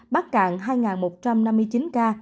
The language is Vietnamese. bắc cạn hai một trăm năm mươi chín ca